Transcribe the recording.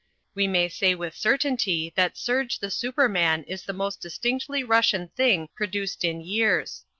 We may say with certainty that Serge the Superman is the most distinctly Russian thing produced in years.